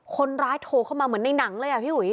คนร้ายโทรเข้ามาเหมือนในหนังเลยอ่ะพี่อุ๋ย